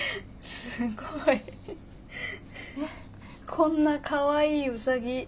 こんなかわいいウサギ。